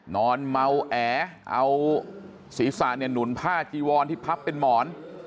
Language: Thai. นอนเมาแอเอาศีรษะเนี่ยหนุนผ้าจีวอนที่พับเป็นหมอน